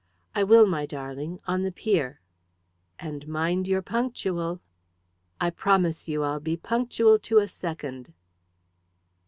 "I will, my darling on the pier." "And mind you're punctual!" "I promise you I'll be punctual to a second."